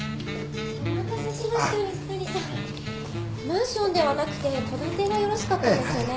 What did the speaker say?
マンションではなくて戸建てがよろしかったんですよね？